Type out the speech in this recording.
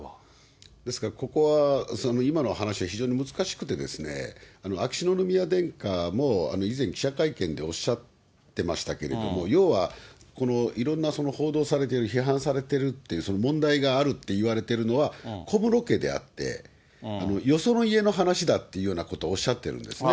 ですから、ここは、今の話は非常に難しくて、秋篠宮殿下も以前、記者会見でおっしゃってましたけど、要は、このいろんなその報道されている、批判されてるっていうその問題があるって言われているのは、小室家であって、よその家の話だっていうようなことをおっしゃってるんですね。